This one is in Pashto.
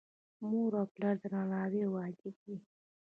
مور او پلار ته درناوی واجب دی